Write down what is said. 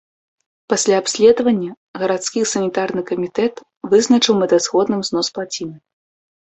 Пасля абследавання гарадскі санітарны камітэт вызначыў мэтазгодным знос плаціны.